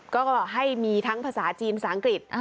ก็ให้มีทั้งภาษาจีนภาษาอังกฤษ